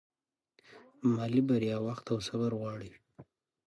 مالي بریا وخت او صبر غواړي.